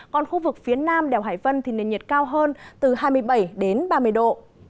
còn khu vực phía nam đèo hải vân thì nền nhiệt cao hơn từ hai mươi bảy đến ba mươi độ